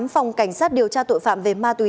phòng cảnh sát điều tra tội phạm về ma túy